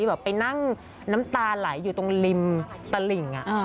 อยู่แบบไปนั่งน้ำตาไหลอยู่ตรงลิมตะหลิงอะ